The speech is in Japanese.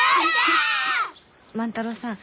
万太郎さん